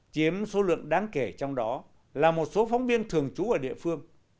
chiếm số lượng đáng kể trong đó là một số phóng viên thường trú ở địa phương